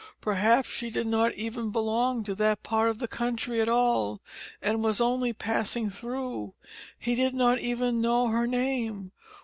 Perhaps she did not even belong to that part of the country at all, and was only passing through. He did not even know her name!